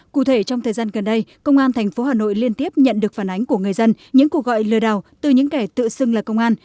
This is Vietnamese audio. cụ thể trong thời gian gần đây công an tp hà nội liên tiếp nhận được phản ánh của người dân những cuộc gọi lừa đảo từ những kẻ tự xưng là công an